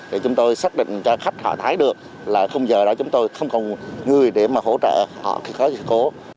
để chúng tôi xác định cho khách họ thấy được là không giờ đó chúng tôi không còn người để mà hỗ trợ họ khi có sự cố